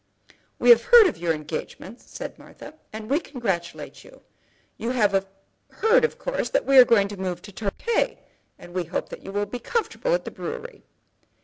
"We have heard of your engagement," said Martha, "and we congratulate you. You have heard, of course, that we are going to move to Torquay, and we hope that you will be comfortable at the brewery."